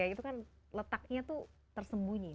itu kan letaknya tuh tersembunyi